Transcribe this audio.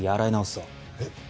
えっ？